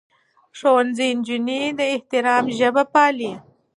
ښوونځی نجونې د احترام ژبه پالي.